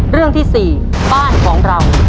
เรื่องที่๔บ้านของเรา